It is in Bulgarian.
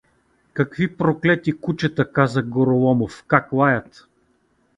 Какви проклети кучета — каза Гороломов, — как лаят.